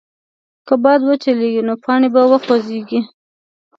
که باد وچلېږي، نو پاڼې به وخوځېږي.